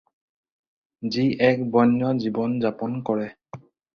যি এক বন্য জীৱন-যাপন কৰে।